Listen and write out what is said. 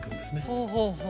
ほうほうほう。